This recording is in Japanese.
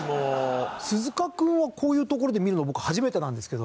鈴鹿君はこういう所で見るの僕初めてなんですけど。